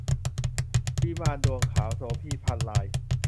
วิมานดวงดาว - โสภี พรรณราย